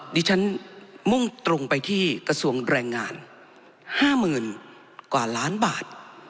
ดิฉันมุ่งตรงไปที่กระทรวงแรงงาน๕๐๐๐กว่าล้านบาท